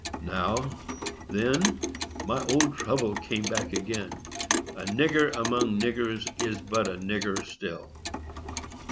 Now, then, my old trouble came back again; "a nigger among niggers is but a nigger still."